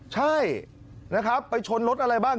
ใช่นะครับไปชนรถอะไรบ้าง